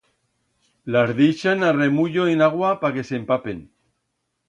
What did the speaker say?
Las deixan a remullo en agua pa que s'empapen.